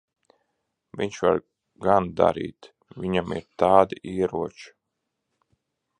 Viņš var gan darīt. Viņam ir tādi ieroči.